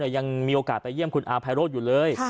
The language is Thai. ยังมีโอกาสไปเยี่ยมคุณอาภัยโรธอยู่เลย